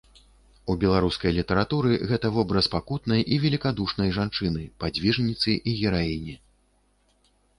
У беларускай літаратуры гэта вобраз пакутнай і велікадушнай жанчыны, падзвіжніцы і гераіні.